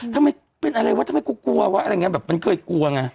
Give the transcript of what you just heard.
ทำไมเป็นอะไรวะทำไมกูกลัวแบบมันเคยกลัวกัน